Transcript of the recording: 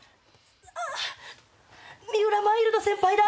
三浦マイルド先輩だ！